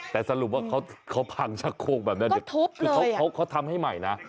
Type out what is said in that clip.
แต่สรุปว่าเขาพังชะโคกแบบนั้นเขาทำให้ใหม่นะ